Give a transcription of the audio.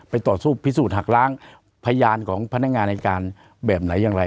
ต่อสู้พิสูจนหักล้างพยานของพนักงานอายการแบบไหนอย่างไร